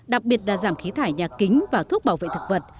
đặc biệt là giảm khí thải nhà kính và thuốc bảo vệ thực vật